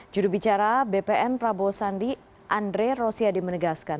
judul bicara bpn prabowo sandi andre rosyadi menegaskan